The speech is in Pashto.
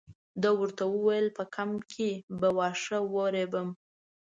ده ورته وویل په کمپ کې به واښه ورېبم.